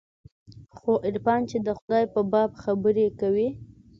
خو عرفان چې د خداى په باب خبرې کوي.